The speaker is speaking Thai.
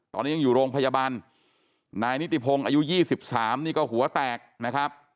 ตอนนี้ยังอยู่โรงพยาบาลนายนิติพงศ์อายุ๒๓นี่ก็หัวแตกนะครับ